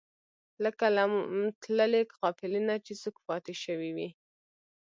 لکه له تللې قافلې نه چې څوک پاتې شوی وي.